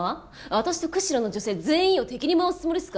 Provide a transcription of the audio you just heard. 私と釧路の女性全員を敵に回すつもりっすか？